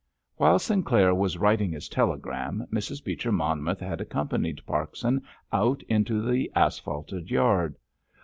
_ While Sinclair was writing his telegram Mrs. Beecher Monmouth had accompanied Parkson out into the asphalted yard.